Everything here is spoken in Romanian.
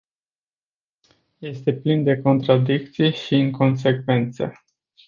Este plin de contradicții și inconsecvențe.